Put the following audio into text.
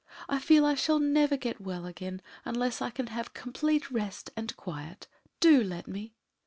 I feel I shall never get well again unless I can have complete rest and quiet. Do let me!"